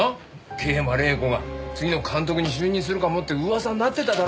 桂馬麗子が次の監督に就任するかもって噂になってただろ？